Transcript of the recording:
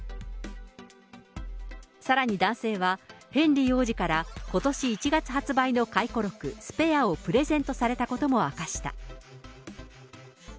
さらに男性は、ヘンリー王子からことし１月発売の回顧録、ＳＰＡＲＥをプレゼントされたことも明かした。